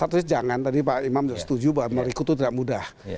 tadi pak imam setuju bahwa melikuti itu tidak mudah